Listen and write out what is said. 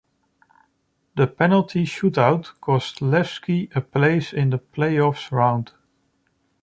The penalty shoot-out cost Levski a place in the Play-off round.